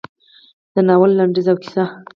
د ناول لنډیز او کیسه: